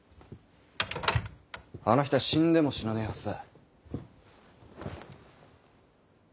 あの人は死んでも死なねぇはずだ。